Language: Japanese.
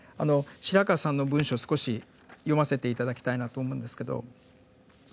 白川さんの文章を少し読ませて頂きたいなと思うんですけど。